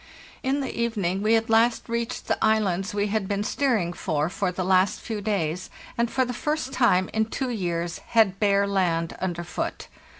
"In the evening we at last reached the islands we had been steering for for the last few days, and for the first time for two years had bare land under foot.